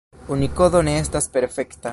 Unikodo ne estas perfekta.